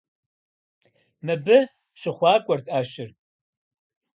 Мыбы щыхъуакӀуэрт Ӏэщыр.